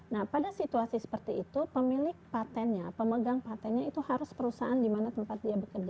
nah pada situasi seperti itu pemilik patennya pemegang patennya itu harus perusahaan di mana tempat dia bekerja